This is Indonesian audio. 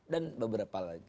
dan beberapa lagi